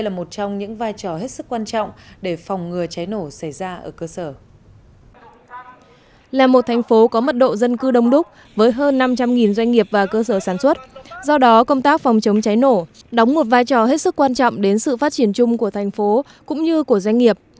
là một vai trò có mật độ dân cư đông đúc với hơn năm trăm linh doanh nghiệp và cơ sở sản xuất do đó công tác phòng chống cháy nổ đóng một vai trò hết sức quan trọng đến sự phát triển chung của thành phố cũng như của doanh nghiệp